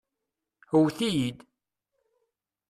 Ewwet-iyi-d.